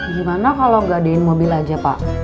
gimana kalau gadein mobil aja pak